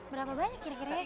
berapa banyak kira kiranya